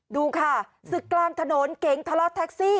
ดูค่ะศึกกลางถนนเก๋งทะเลาะแท็กซี่